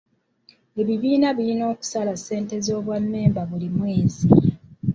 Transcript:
Ebibiina birina okusala ssente z'obwa mmemba buli mwezi.